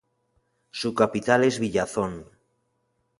Su capital es Villazón.